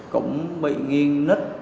cũng bị nghiêng nứt